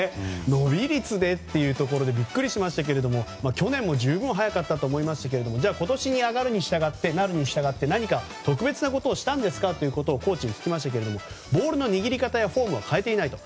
伸び率でっていうところでビックリしましたけども去年も十分速かったと思いますが今年になるにしたがって何か特別なことをしたんですかということをコーチに聞きましたがボールの握り方やフォームは変えていないと。